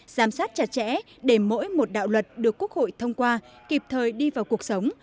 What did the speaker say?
giám sát chặt chẽ để mỗi một đạo luật được quốc hội thông qua kịp thời đi vào cuộc sống